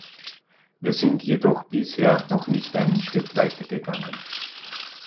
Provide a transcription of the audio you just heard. Wir sind jedoch bisher noch nicht einen Schritt weiter gegangen.